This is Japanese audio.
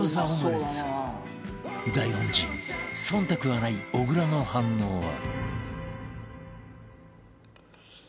大恩人忖度はない小倉の反応は？